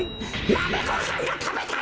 マメごはんがたべたい！